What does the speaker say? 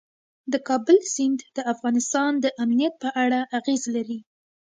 د کابل سیند د افغانستان د امنیت په اړه اغېز لري.